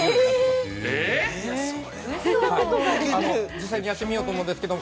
◆実際にやってみようと思うんですけど。